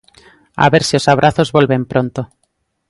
A ver se os abrazos volven pronto.